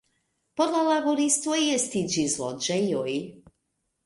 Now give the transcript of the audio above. Por la laboristoj estiĝis loĝejoj.